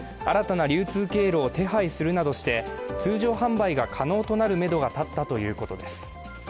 新たな流通経路を手配するなどして通常販売が可能となるめどが立ったということです。